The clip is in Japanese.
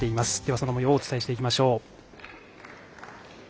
そのもようをお伝えしていきましょう。